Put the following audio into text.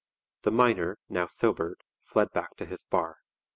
The miner, now sobered, fled back to his bar.